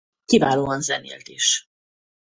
Kiválóan zenélt is.